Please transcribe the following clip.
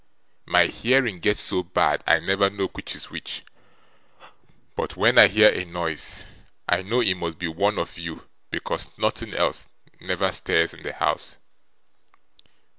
My hearing gets so bad, I never know which is which; but when I hear a noise, I know it must be one of you, because nothing else never stirs in the house.